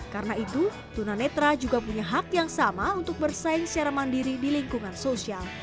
karena itu tuna netra juga punya hak yang sama untuk bersaing secara mandiri di lingkungan sosial